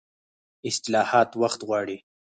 اصلاحات وخت غواړي